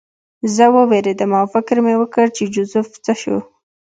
زه ووېرېدم او فکر مې وکړ چې جوزف څه شو